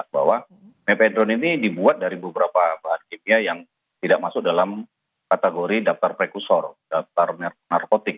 bahwa mepedron ini dibuat dari beberapa bahan kimia yang tidak masuk dalam kategori daftar prekusor daftar narkotik